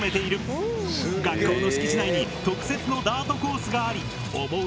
学校の敷地内に特設のダートコースがあり思う